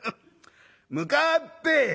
『向かって』」。